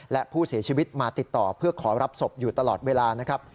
และผู้เสียชีวิตมาติดต่อเพื่อขอรับศพอยู่ตลอดเวลานะครับ